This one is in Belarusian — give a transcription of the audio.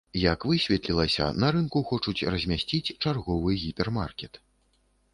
Як высветлілася, на рынку хочуць размясціць чарговы гіпермаркет.